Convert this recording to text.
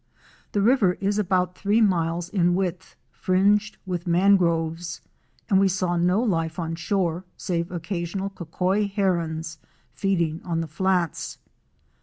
The river is about three miles in width, fringed with mangroves, and we saw no life on shore save occasional Cocoi Herons *! feeding on the flats.